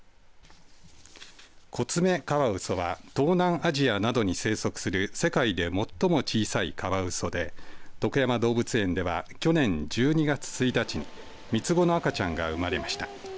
コツメカワウソは東南アジアなどに生息する世界で最も小さいカワウソで徳山動物園では去年１２月１日に３つ子の赤ちゃんが生まれました。